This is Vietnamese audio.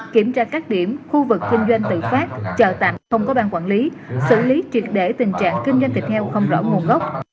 kiểm tra các điểm khu vực kinh doanh tự phát chợ tạm không có bang quản lý xử lý triệt để tình trạng kinh doanh thịt heo không rõ nguồn gốc